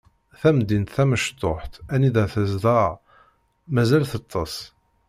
Tamdint tamecṭuḥt anida tezdeɣ mazal teṭṭes.